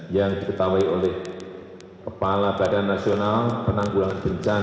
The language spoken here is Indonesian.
yang diketahui oleh kepala badan nasional penanggulangan bencana